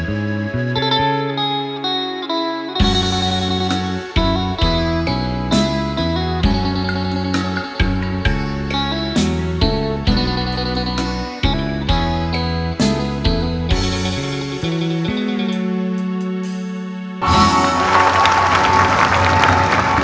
อืม